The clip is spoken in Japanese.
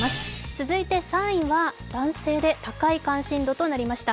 続いて３位は男性で高い関心度となりました。